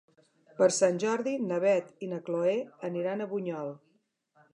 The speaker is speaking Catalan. Per Sant Jordi na Beth i na Chloé aniran a Bunyol.